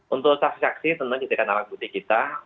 untuk saksi saksi teman teman kita ada alat bukti kita